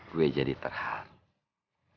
gue jadi terhad